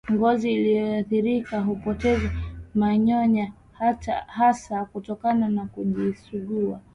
Ngozi iliyoathirika hupoteza manyoya hasa kutokana na kujisugua